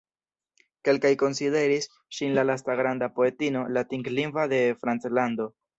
Kelkaj konsideris ŝin la lasta granda poetino latinlingva de Franclando.